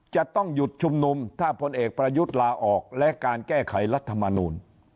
จะต้องหยุดชุมนุมถ้าพลเอกประยุทธ์ลาออกและการแก้ไขรัฐมนูล